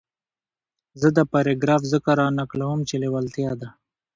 زه دا پاراګراف ځکه را نقلوم چې لېوالتیا ده.